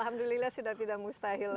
alhamdulillah sudah tidak mustahil